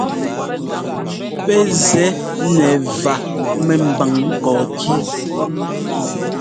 Pɛ́ zɛ́ nɛ vǎ mɛ́mbǎŋ kɔɔkí.